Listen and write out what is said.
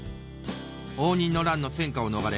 応仁の乱の戦火を逃れ